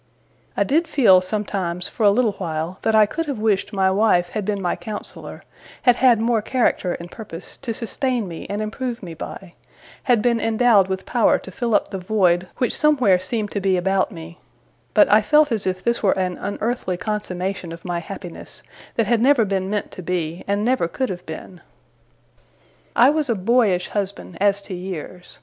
I did feel, sometimes, for a little while, that I could have wished my wife had been my counsellor; had had more character and purpose, to sustain me and improve me by; had been endowed with power to fill up the void which somewhere seemed to be about me; but I felt as if this were an unearthly consummation of my happiness, that never had been meant to be, and never could have been. I was a boyish husband as to years.